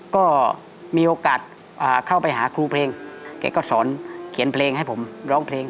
ก็มีโอกาสเข้าไปหาครูเพลงแกก็สอนเขียนเพลงให้ผมร้องเพลง